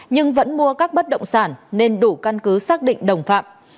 nhưng vẫn mua các bất động sản nên đủ căn cứ xác định đồng phạm